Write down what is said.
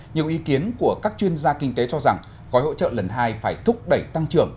nhiều ý kiến của các chuyên gia kinh tế cho rằng gói hỗ trợ lần hai phải thúc đẩy tăng trưởng